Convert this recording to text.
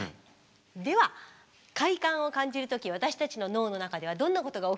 では快感を感じる時私たちの脳の中ではどんなことが起きているのか。